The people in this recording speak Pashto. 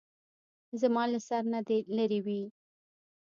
زما له سر نه دې لېرې وي.